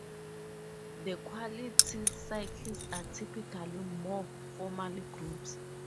Quality circles are typically more formal groups.